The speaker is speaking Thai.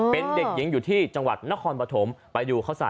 เป็นเด็กหญิงอยู่ที่จังหวัดนครปฐมไปดูเขาใส่